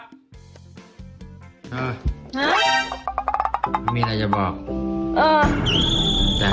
ไม่มีอะไรจะบอกแต่ให้ทีรีย์พูดแทนแล้วอ่า